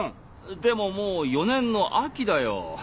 でももう４年の秋だよ。